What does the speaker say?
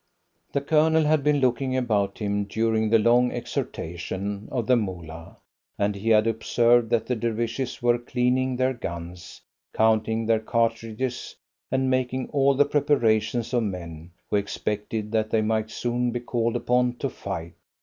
The Colonel had been looking about him during the long exhortation of the Moolah, and he had observed that the Dervishes were cleaning their guns, counting their cartridges, and making all the preparations of men who expected that they might soon be called upon to fight.